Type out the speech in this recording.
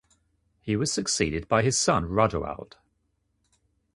He was succeeded by his son Rodoald.